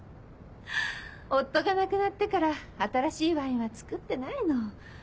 夫が亡くなってから新しいワインは造ってないの。